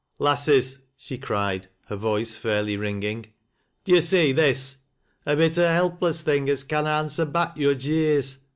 " Lasses," she cried, her voice fairly ringing, " do yo gee this ? A bit o' a helpless thing as canna answer baels yo're jeers